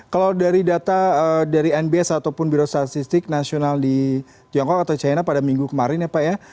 kalau dari data dari nbs ataupun biro statistik nasional di tiongkok atau china pada minggu kemarin ya pak ya